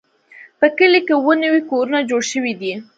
په کلي کې اووه نوي کورونه جوړ شوي دي.